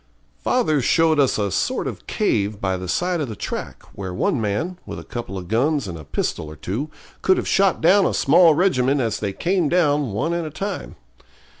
Father showed us a sort of cave by the side of the track, where one man, with a couple of guns and a pistol or two, could have shot down a small regiment as they came down one at a time.